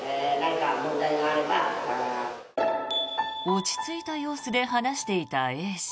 落ち着いた様子で話していたＡ氏。